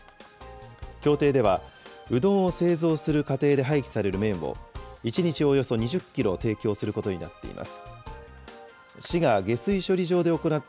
協定では、うどんを製造する過程で廃棄される麺を、１日およそ２０キロ提供することになっています。